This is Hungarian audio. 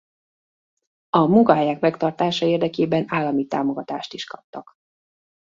A munkahelyek megtartása érdekében állami támogatást is kaptak.